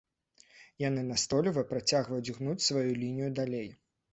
Яны настойліва працягвалі гнуць сваю лінію далей.